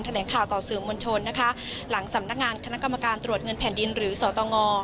แหลงข่าวต่อสื่อมวลชนนะคะหลังสำนักงานคณะกรรมการตรวจเงินแผ่นดินหรือสตง